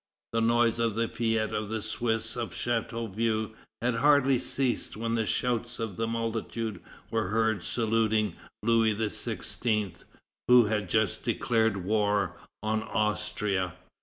The noise of the fête of the Swiss of Chateauvieux had hardly ceased when the shouts of the multitude were heard saluting Louis XVI., who had just declared war on Austria.